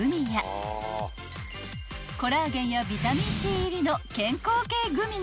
［コラーゲンやビタミンＣ入りの］